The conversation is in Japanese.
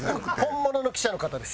本物の記者の方です。